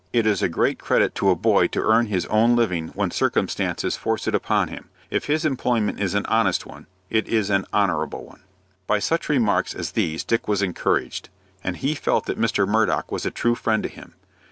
It is a great credit to a boy to earn his own living when circumstances force it upon him. If his employment is an honest one, it is an honorable one." By such remarks as these Dick was encouraged, and he felt that Mr. Murdock was a true friend to him.